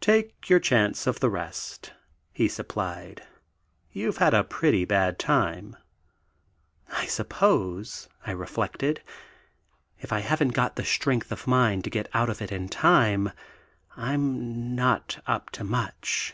"Take your chance of the rest," he supplied; "you've had a pretty bad time." "I suppose," I reflected, "if I haven't got the strength of mind to get out of it in time, I'm not up to much."